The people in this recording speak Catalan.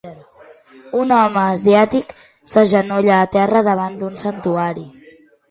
Un home asiàtic s'agenolla a terra davant un santuari